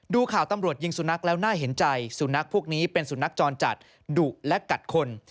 ดูข่าวตำรวจยิงสุนัขแล้วน่าเห็นใจสุนัขพวกนี้เป็นสุนัขจรจัดดุและกัดคน